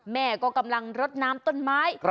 แม่ก็กำลังรดน้ำต้นไม้